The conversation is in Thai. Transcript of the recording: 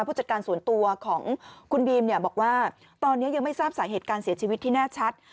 ผู้จัดการส่วนตัวของคุณบีมเนี่ยบอกว่าตอนนี้ยังไม่ทราบสาเหตุการเสียชีวิตที่แน่ชัด